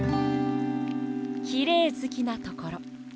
きれいずきなところ。